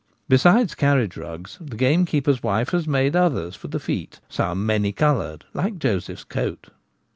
Besides carriage rugs, the game keeper's wife has made others for the feet — some many coloured, like Joseph's coat.